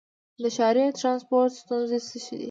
د ښاري ټرانسپورټ ستونزې څه دي؟